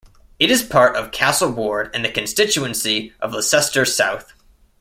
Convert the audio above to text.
It is part of Castle Ward and the constituency of Leicester South.